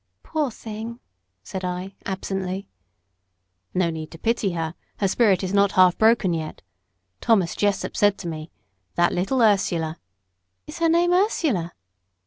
"Poor thing!" said I, absently. "No need to pity her; her spirit is not half broken yet. Thomas Jessop said to me, 'That little Ursula '" "Is her name Ursula?"